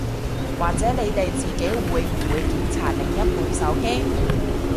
或者你哋自己會唔會檢查另一半手機